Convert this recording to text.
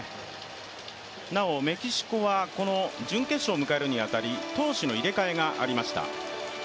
なおメキシコはこの準決勝を迎えるにあたり投手の入れ替えがありました。